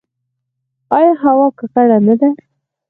آیا هوا ککړه نه ده؟